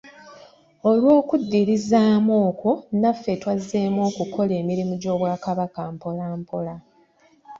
Olw'okuddirizaamu okwo, naffe twazzeemu okukola emirimu gy'obwakabaka mpola mpola.